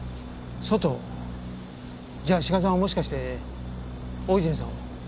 じゃあ志賀さんはもしかして大泉さんを。